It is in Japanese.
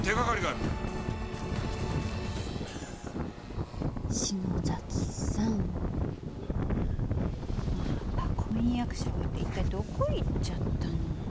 あなた婚約者を置いて一体どこへ行っちゃったの？